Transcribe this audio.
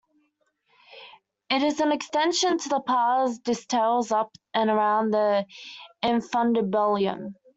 It is an extension of the pars distalis up and around infundibulum.